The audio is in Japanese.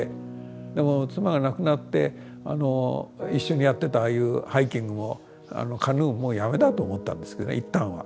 でも妻が亡くなって一緒にやってたああいうハイキングもカヌーももうやめだと思ったんですけどね一旦は。